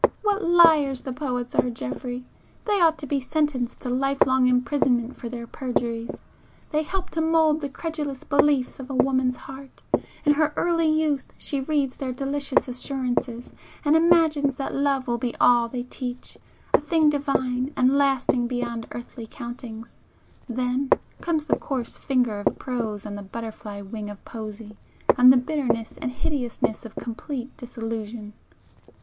"What liars the poets are, Geoffrey! They ought to be sentenced to life long imprisonment for their perjuries! They help to mould the credulous beliefs of a woman's heart;—in her early youth she reads their delicious assurances, and imagines that love will be all they teach,—a thing divine and lasting beyond earthly countings;—then comes the coarse finger of prose on the butterfly wing of poesy, and the bitterness and hideousness of complete disillusion!"